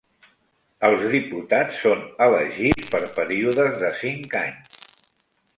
Els diputats són elegits per períodes de cinc anys.